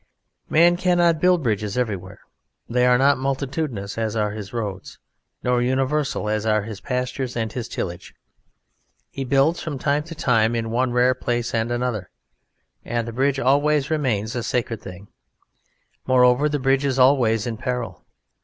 Man cannot build bridges everywhere. They are not multitudinous as are his roads, nor universal as are his pastures and his tillage. He builds from time to time in one rare place and another, and the bridge always remains a sacred thing. Moreover, the bridge is always in peril.